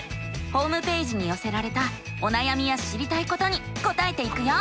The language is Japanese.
ホームページによせられたおなやみや知りたいことに答えていくよ。